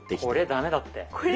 これ駄目だって。